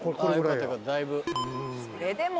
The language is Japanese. それでも。